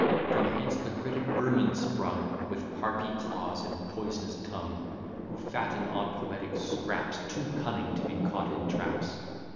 From hence the critic vermin sprung, With harpy claws and poisonous tongue: Who fatten on poetic scraps, Too cunning to be caught in traps.